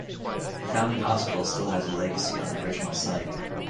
The Foundling Hospital still has a legacy on the original site.